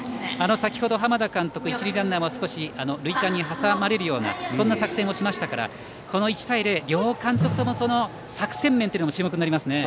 先程、浜田監督一塁ランナー塁間に挟まれるような作戦もしましたからこの１対０、両監督とも作戦面も注目になりますね。